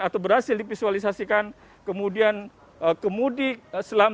atau berhasil dipisualisasikan kemudian kemudi selamat